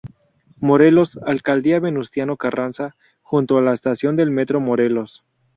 Morelos, Alcaldía Venustiano Carranza, junto a la estación del metro Morelos.